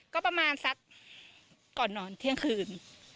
ก็ประมาณสักก่อนนอนเที่ยงคืน